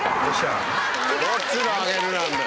どっちの「あげる」なんだよ。